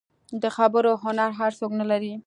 د خبرو هنر هر څوک نه لري.